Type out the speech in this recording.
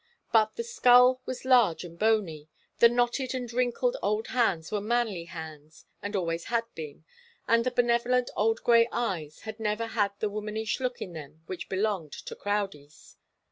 But the skull was large and bony, the knotted and wrinkled old hands were manly hands, and always had been, and the benevolent old grey eyes had never had the womanish look in them which belonged to Crowdie's.